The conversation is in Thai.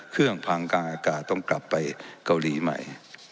เครื่องพังกลางอากาศต้องกลับไปเกาหลีใหม่